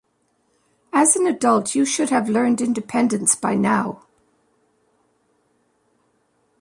As an adult, you should have learned independence by now!